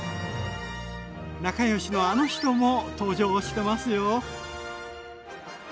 仲良しのあの人も登場してますよ！